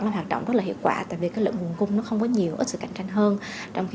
nó hoạt động rất là hiệu quả tại vì cái lượng nguồn cung nó không có nhiều ít sự cạnh tranh hơn trong khi